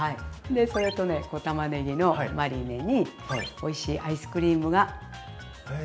それとね小たまねぎのマリネにおいしいアイスクリームがつきます。